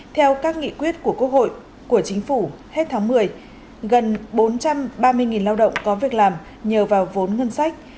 theo các nghị quyết của quốc hội của chính phủ hết tháng một mươi gần bốn trăm ba mươi lao động có việc làm nhờ vào vốn ngân sách